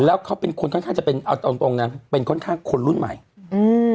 แล้วเขาเป็นคนค่อนข้างจะเป็นเอาตรงตรงนะเป็นค่อนข้างคนรุ่นใหม่อืม